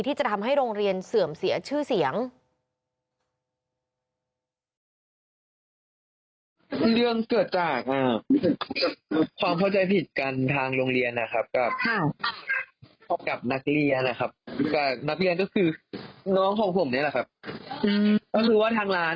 ที่จะทำให้โรงเรียนเสื่อมเสียชื่อเสียง